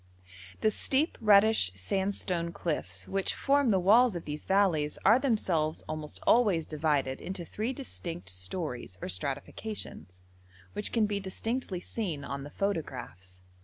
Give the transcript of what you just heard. The steep, reddish sandstone cliffs which form the walls of these valleys are themselves almost always divided into three distinct stories or stratifications, which can be distinctly seen on the photographs.